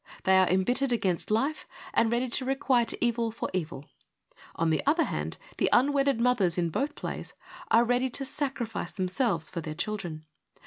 They are embittered against life and ready to requite evil for evil. On the other hand, the unwedded mothers in both plays are ready to sacrifice themselves for their children.